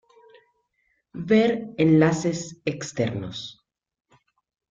Ver enlaces externos.